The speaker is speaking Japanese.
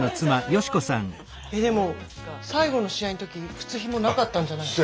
えでも最後の試合の時靴ひもなかったんじゃないの？